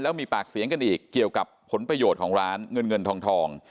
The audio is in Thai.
มีปากเสียงกันอีกเกี่ยวกับผลประโยชน์ของร้านเงินเงินทอง